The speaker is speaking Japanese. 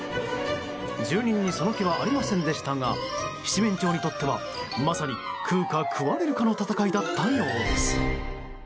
住人にその気はありませんでしたが七面鳥にとってはまさに食うか食われるかの戦いだったようです。